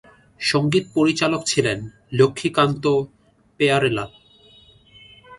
সঙ্গীত পরিচালক ছিলেন লক্ষ্মীকান্ত-প্যায়ারেলাল।